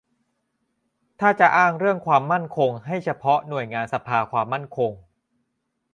ถ้าจะอ้างเรื่องความมั่นคงให้เฉพาะหน่วยงานสภาความมั่นคง